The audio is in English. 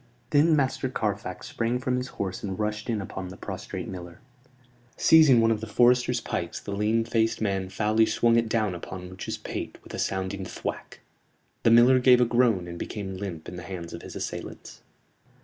Then Master Carfax sprang from his horse and rushed in upon the prostrate miller. Seizing one of the foresters' pikes the lean faced man foully swung it down upon Much's pate with a sounding thwack. The miller gave a groan and became limp in the hands of his assailants.